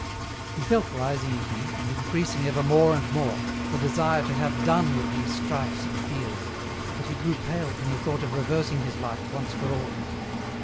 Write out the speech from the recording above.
He felt rising in him, and increasing ever more and more, the desire to have done with these strifes and fears, but he grew pale when he thought of reversing his life, once for all.